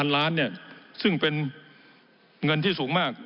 ล้านเนี่ยซึ่งเป็นเงินที่สูงมาก